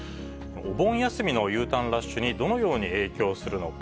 お盆休みのＵターンラッシュに、どのように影響するのか。